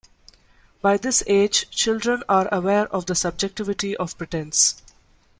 By this age, children are aware of the subjectivity of pretense.